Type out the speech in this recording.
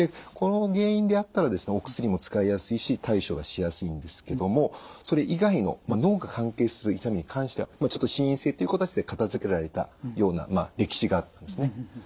この原因であったらですねお薬も使いやすいし対処がしやすいんですけどもそれ以外の脳が関係する痛みに関しては心因性っていう形で片づけられたような歴史があったんですね。